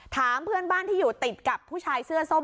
ถามเพื่อนบ้านที่อยู่ติดกับผู้ชายเสื้อส้ม